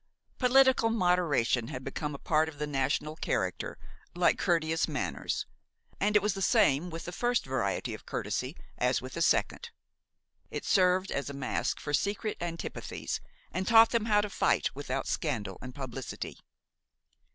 Political moderation had become a part of the national character, like courteous manners, and it was the same with the first variety of courtesy as with the second: it served as a mask for secret antipathies, and taught them how to fight without scandal and publicity.